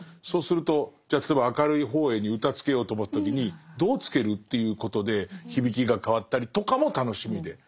そうするとじゃあ例えば「明るい方へ」に歌つけようと思った時にどうつける？っていうことで響きが変わったりとかも楽しみで。